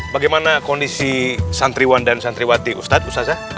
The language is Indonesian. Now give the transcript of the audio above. bagaimana kondisi santriwan dan santriwati ustadz busasa